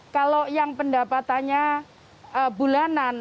kalau yang pendapatannya bulanan